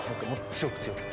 強く強く。